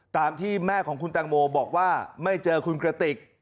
ตามที่แม่ของคุณตังโมบอกว่าไม่เจอคุณกระติก